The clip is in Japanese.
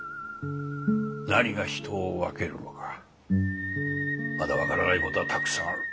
何が人を分けるのかまだ分からない事はたくさんある。